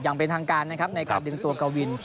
อย่างเป็นทางการนะครับในการดึงตัวกวิน